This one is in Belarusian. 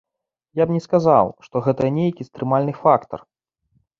Я б не сказаў, што гэта нейкі стрымальны фактар.